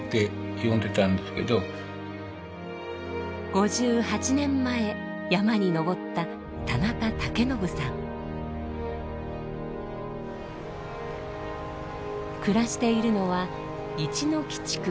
５８年前山に登った暮らしているのは一ノ木地区。